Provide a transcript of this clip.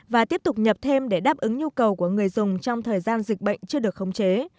và tiếp tục nhập thêm để đáp ứng nhu cầu của người dùng trong thời gian dịch bệnh chưa được khống chế